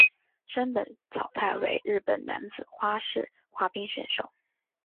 山本草太为日本男子花式滑冰选手。